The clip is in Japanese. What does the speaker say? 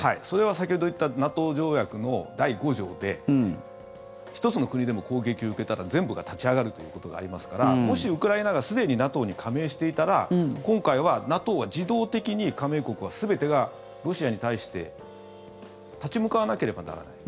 それは先ほど言ったＮＡＴＯ条約の第５条で１つの国でも攻撃を受けたら全部が立ち上がるということがありますからもし、ウクライナがすでにＮＡＴＯに加盟していたら今回は、ＮＡＴＯは自動的に加盟国は全てがロシアに対して立ち向かわなければならない。